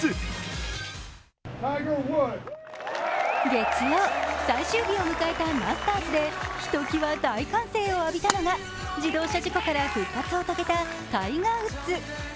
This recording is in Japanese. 月曜、最終日を迎えたマスターズでひときわ、大歓声を浴びたのが自動車事故から復活を遂げたタイガー・ウッズ。